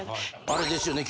あれですよね